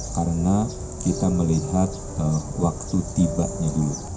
karena kita melihat waktu tibanya dulu